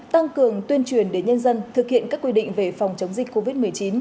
tăng cường tuyên truyền đến nhân dân thực hiện các quy định về phòng chống dịch covid một mươi chín